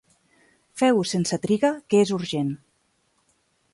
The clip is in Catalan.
Feu-ho sense triga, que és urgent.